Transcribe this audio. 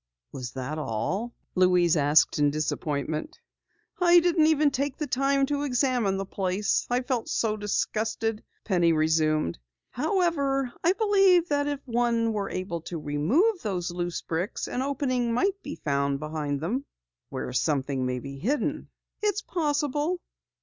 "Was that all?" Louise asked in disappointment. "I didn't even take time to examine the place. I felt so disgusted," Penny resumed. "However, I believe that if one were able to remove those loose bricks, an opening might be found behind them." "Where something may be hidden?" "It's possible."